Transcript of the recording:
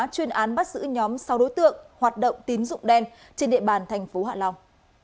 chuyên án bắt giữ nhóm sáu đối tượng hoạt động tín dụng đen trên địa bàn tp hạ long